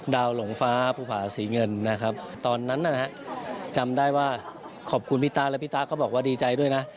หลงฟ้าภูผาศรีเงินนะครับตอนนั้นนะฮะจำได้ว่าขอบคุณพี่ตาและพี่ตาก็บอกว่าดีใจด้วยนะ